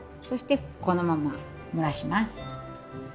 そしてこのまま蒸らします。